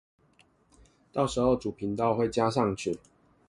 到時候主頻道會加上去